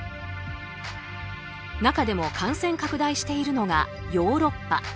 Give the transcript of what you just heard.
中でも感染拡大しているのがヨーロッパ。